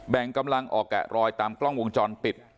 กำลังออกแกะรอยตามกล้องวงจรปิด